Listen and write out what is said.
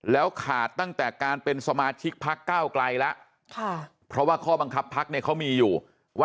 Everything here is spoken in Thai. แล้วขาดตั้งแต่การเป็นสมาชิกพักเก้าไกลละ